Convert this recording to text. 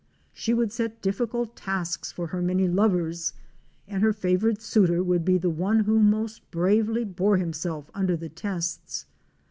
She would set difficult tasks for her many lovers, and her favored suitor would be the one who most bravely bore him self under the tests.